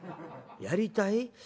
『やりたい』？